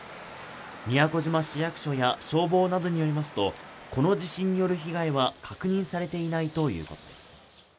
宮古島市役所や消防などによりますとこの地震による被害は確認されていないということです